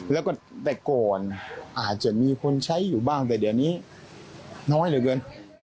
แล้วก็แต่ก่อนอาจจะมีคนใช้อยู่บ้างแต่เดี๋ยวนี้น้อยเหลือเกิน